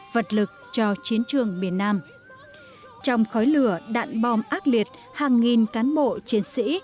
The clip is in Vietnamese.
vật lực cho chiến trường miền nam trong khói lửa đạn bom ác liệt hàng nghìn cán bộ chiến sĩ